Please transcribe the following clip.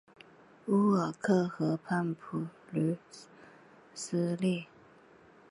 乌尔克河畔普吕斯利。